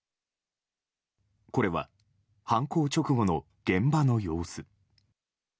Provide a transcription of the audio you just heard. これは、犯行直後の現場の様子。